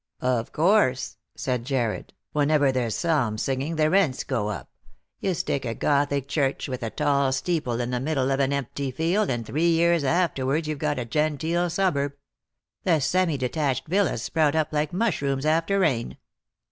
" Of course," said Jarred ;" wherever there's psalm singing the rents go up. You stick a gothic church with a tall steeple in the middle of an empty field, and three years afterwards you've got a genteel suburb. The semi detached villas sprout up like mushrooms after rain.